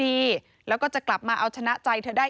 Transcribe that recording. พี่ลองคิดดูสิที่พี่ไปลงกันที่ทุกคนพูด